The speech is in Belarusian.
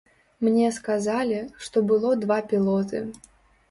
Мне сказалі што было два пілоты.